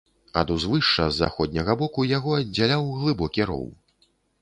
Ад узвышша з заходняга боку яго аддзяляў глыбокі роў.